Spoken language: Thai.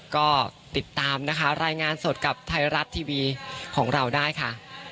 ก็ติดตามนะคะรายงานสดกับไทยรัฐทีวีของเราได้ค่ะ